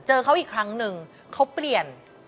เขาอีกครั้งหนึ่งเขาเปลี่ยน